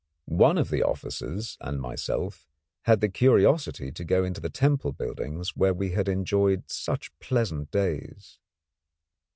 One of the officers and myself had the curiosity to go into the temple buildings where we had enjoyed such pleasant days.